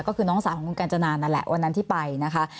ก็คือน้องสาวของคุณกัญจนานั่นแหละวันนั้นที่ไปนะคะ